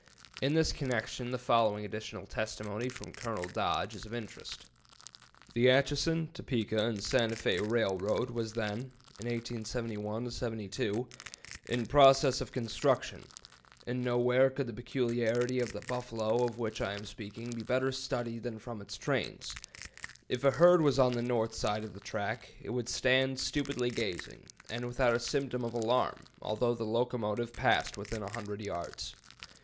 In this connection the following additional testimony from Colonel Dodge ("Plains of the Great West," p. 121) is of interest: "The Atchison, Topeka and Santa Fé Railroad was then [in 1871 '72] in process of construction, and nowhere could the peculiarity of the buffalo of which I am speaking be better studied than from its trains. If a herd was on the north side of the track, it would stand stupidly gazing, and without a symptom of alarm, although the locomotive passed within a hundred yards.